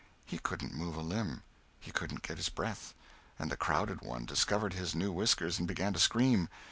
He couldn't move a limb; he couldn't get his breath; and the crowded one discovered his new whiskers and began to scream.